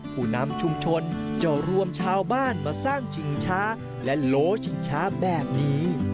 ผู้นำชุมชนจะรวมชาวบ้านมาสร้างชิงช้าและโลชิงช้าแบบนี้